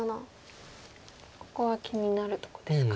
ここは気になるとこですか。